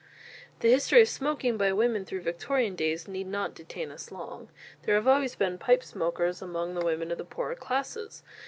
The history of smoking by women through Victorian days need not detain us long. There have always been pipe smokers among the women of the poorer classes.